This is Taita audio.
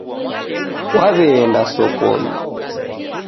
Waweenda sokonyi.